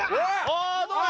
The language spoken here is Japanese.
あぁどうだ？